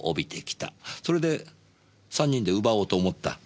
それで３人で奪おうと思った？